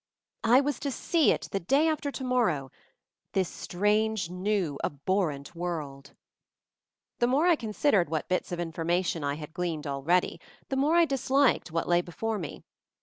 I was to see it the day after to morrow — this strange, new, abhor rent world 1 The more I considered what bits of in formation I had gleaned already, the more I disliked what lay before me.